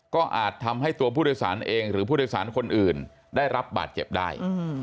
ก็อาจทำให้ตัวผู้โดยสารเองหรือผู้โดยสารคนอื่นได้รับบาดเจ็บได้